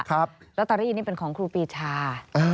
แล้วตอนนี้นี่เป็นของครูปีชา